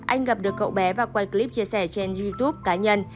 anh gặp được cậu bé và quay clip chia sẻ trên youtube cá nhân